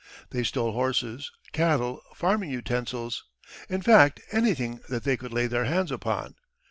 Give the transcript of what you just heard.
They stole horses, cattle, farming utensils; in fact, anything that they could lay their hands upon.